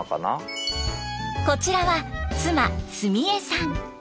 こちらは妻澄江さん。